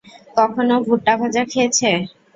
কখনও ভুট্টা ভাজা খেয়েছে?